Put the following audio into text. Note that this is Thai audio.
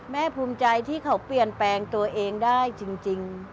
ภูมิใจที่เขาเปลี่ยนแปลงตัวเองได้จริง